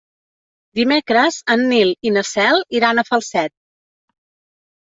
Dimecres en Nil i na Cel iran a Falset.